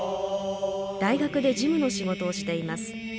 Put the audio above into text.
大学で事務の仕事をしています。